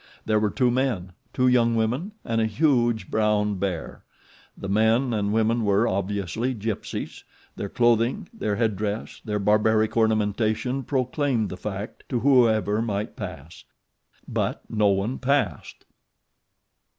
There were two men, two young women and a huge brown bear. The men and women were, obviously, Gypsies. Their clothing, their head dress, their barbaric ornamentation proclaimed the fact to whoever might pass; but no one passed.